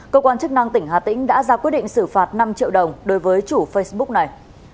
cơ quan chức năng tỉnh hà tĩnh đã ra quyết định xử phạt năm triệu đồng đối với chủ facebook này